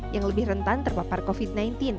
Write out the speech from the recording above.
yang lebih rentan terpapar covid sembilan belas